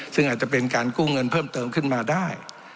ซึ่งอาจจะเป็นการกู้เงินเพิ่มเติมขึ้นมาได้